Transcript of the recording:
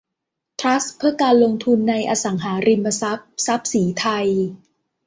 ทรัสต์เพื่อการลงทุนในอสังหาริมทรัพย์ทรัพย์ศรีไทย